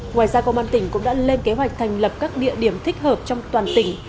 ngoài ra công an tỉnh cũng đã lên kế hoạch thành lập các địa điểm thích hợp trong toàn tỉnh